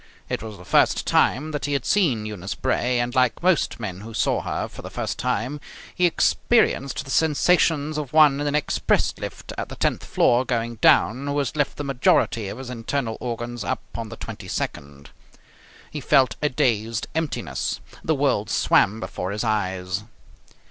It was the first time that he had seen Eunice Bray, and, like most men who saw her for the first time, he experienced the sensations of one in an express lift at the tenth floor going down who has left the majority of his internal organs up on the twenty second. He felt a dazed emptiness. The world swam before his eyes.